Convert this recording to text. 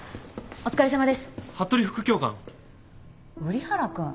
お疲れさまです。